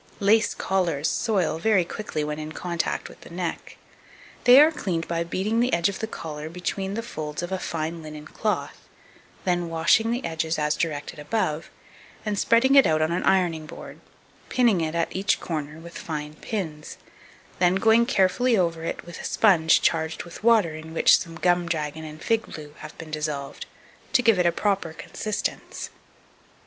Lace collars soil very quickly when in contact with the neck; they are cleaned by beating the edge of the collar between the folds of a fine linen cloth, then washing the edges as directed above, and spreading it out on an ironing board, pinning it at each corner with fine pins; then going carefully over it with a sponge charged with water in which some gum dragon and fig blue have been dissolved, to give it a proper consistence.